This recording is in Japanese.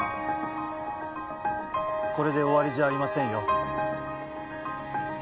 これで終わりじゃありませんよ